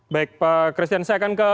baik pak christian saya akan ke